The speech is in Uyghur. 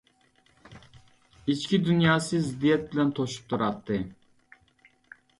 ئىچكى دۇنياسى زىددىيەت بىلەن توشۇپ تۇراتتى.